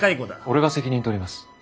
俺が責任取ります。